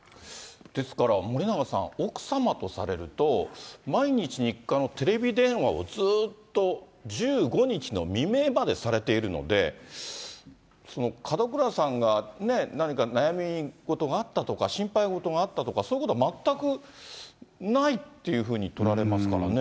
ですから森永さん、奥様とされると、毎日日課のテレビ電話をずっと１５日の未明までされているので、門倉さんが何か悩み事があったとか、心配事があったとか、そういうことは全くないっていうふうに取られますからね。